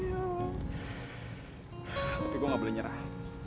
tapi gue gak boleh nyerah